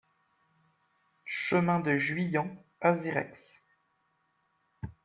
Chemin de Juillan, Azereix